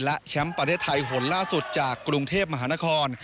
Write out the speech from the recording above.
และแชมป์ประเทศไทยหนล่าสุดจากกรุงเทพมหานคร